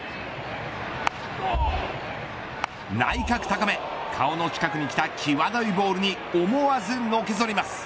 内角高め顔の近くにきた際どいボールに思わずのけぞります。